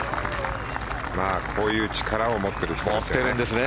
こういう力を持っている人ですよね。